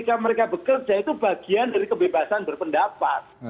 nah kalau mereka bekerja itu bagian dari kebebasan berpendapat